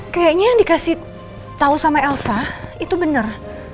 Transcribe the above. kayaknya yang dikasih tau sama elsa itu bener